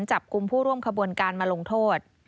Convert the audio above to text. จับกลุ่มผู้ร่วมขบวนการมาลงโทษ